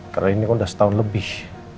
karena ini kok udah setahun lebih